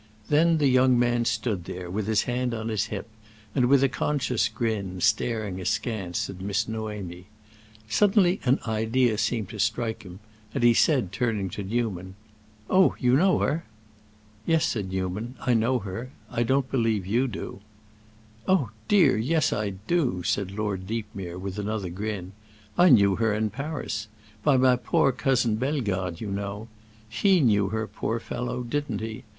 Then the young man stood there, with his hand on his hip, and with a conscious grin, staring askance at Miss Noémie. Suddenly an idea seemed to strike him, and he said, turning to Newman, "Oh, you know her?" "Yes," said Newman, "I know her. I don't believe you do." "Oh dear, yes, I do!" said Lord Deepmere, with another grin. "I knew her in Paris—by my poor cousin Bellegarde, you know. He knew her, poor fellow, didn't he?